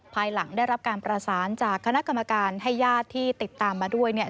ภายหลังได้รับการประสานจากคณะกรรมการให้ญาติที่ติดตามมาด้วยเนี่ย